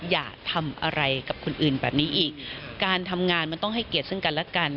อย่าทำอะไรกับคนอื่นแบบนี้อีกการทำงานมันต้องให้เกียรติซึ่งกันและกัน